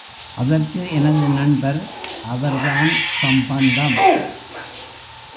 அதற்கு எனது நண்பர், அவர்தான் சம்பந்தம்!